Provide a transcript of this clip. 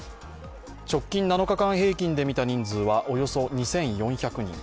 直近７日間平均で見た人数はおよそ２４００人。